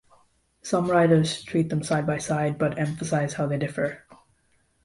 Some writers treat them side by side but emphasize how they differ.